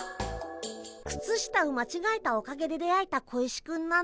靴下を間違えたおかげで出会えた小石くんなんだ。